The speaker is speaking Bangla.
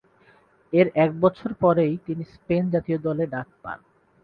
এর এক বছর পরেই তিনি স্পেন জাতীয় দলে ডাক পান।